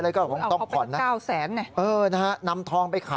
เอาเขาเป็น๙๐๐๐๐๐บาท